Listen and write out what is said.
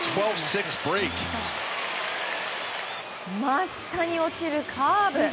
真下に落ちるカーブ。